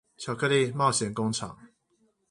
巧克力冒險工廠